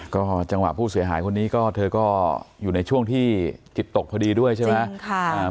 ก็จังหวะผู้เสียหายคนนี้ก็เธอก็อยู่ในช่วงที่จิตตกพอดีด้วยใช่ไหม